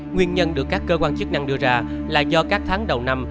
nguyên nhân được các cơ quan chức năng đưa ra là do các tháng đầu năm